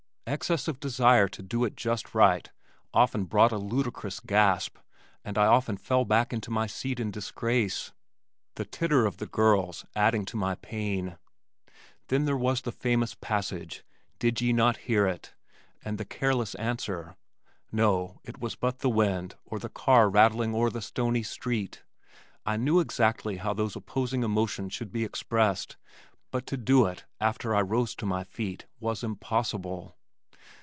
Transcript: Excess of desire to do it just right often brought a ludicrous gasp and I often fell back into my seat in disgrace, the titter of the girls adding to my pain. Then there was the famous passage, "Did ye not hear it?" and the careless answer, "No, it was but the wind or the car rattling o'er the stony street." I knew exactly how those opposing emotions should be expressed but to do it after I rose to my feet was impossible.